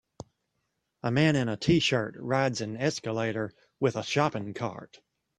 A man in a tshirt rides an escalator with a shopping cart.